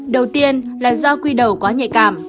đầu tiên là do quy đầu quá nhạy cảm